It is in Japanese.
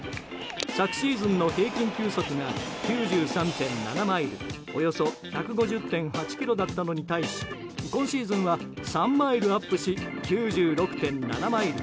昨シーズンの平均球速が９３．７マイルおよそ１５０．８キロだったのに対し今シーズンは３マイルアップし９６．７マイル。